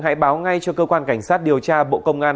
hãy báo ngay cho cơ quan cảnh sát điều tra bộ công an